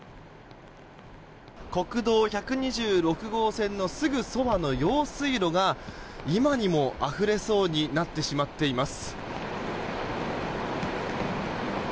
国道１２６号線のすぐそばの用水路が今にもあふれそうになってしまっています。